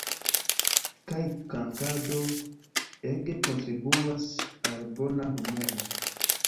Kaj kantado ege kontribuas al bona humoro.